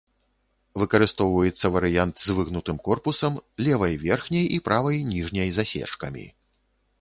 Выкарыстоўваецца варыянт з выгнутым корпусам, левай верхняй і правай ніжняй засечкамі.